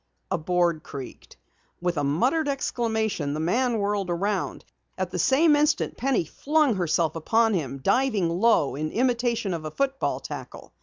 A board creaked. With a muttered exclamation the man whirled around. At the same instant Penny flung herself upon him, diving low in imitation of a football tackle.